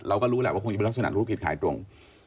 เราก็รู้แหละว่าคงจะเป็นลักษณะรู้ผิดขายตรง